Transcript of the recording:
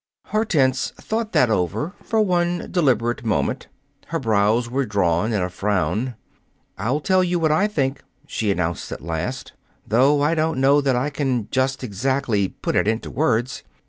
Hortense thought that over for one deliberate moment. Her brows were drawn in a frown. "I'll tell you what I think," she announced, at last, "though I don't know that I can just exactly put it into words.